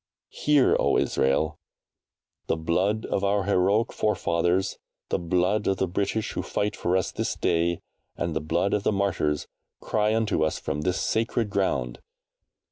HEAR, O ISRAEL! The blood of our heroic forefathers, the blood of the British who fight for us this day, and the blood of the martyrs, cry unto us from this sacred ground.